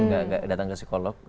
gak datang ke psikolog